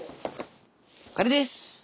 これです！